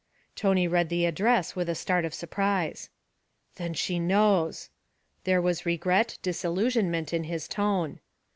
Tony read the address with a start of surprise. 'Then she knows!' There was regret, disillusionment, in his tone.